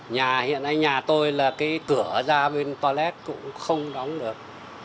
nhà hiện nay nhà tôi là cái cửa ra bên toilet cũng không đóng được